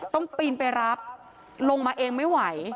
ปีนไปรับลงมาเองไม่ไหว